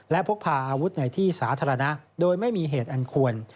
และพกพาอาวุธในที่สาธารณะโดยไม่มีเหตุอันควร